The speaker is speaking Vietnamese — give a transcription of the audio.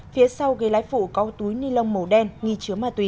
phía sau gây lái phụ có túi ni lông màu đen nghi chứa ma túy